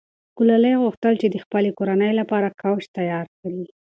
ګلالۍ غوښتل چې د خپلې کورنۍ لپاره کوچ تیار کړي.